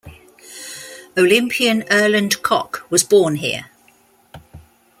Olympian Erland Koch was born here.